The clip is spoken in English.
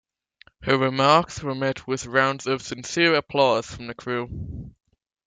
Her remarks were met with rounds of sincere applause from the crew.